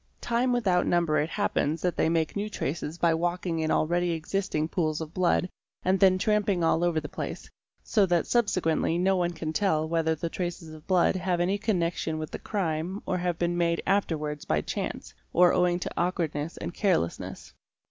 Time without number it happens that they | 70 554 TRACES OF BLOOD make new traces by walking in already existing pools of blood and then . tramping all over the place, so that subsequently no one can tell whether the traces of blood have any connection with the crime or have been made afterwards by chance or owing to awkwardness and carelessness.